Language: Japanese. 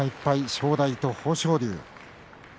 正代と豊昇龍。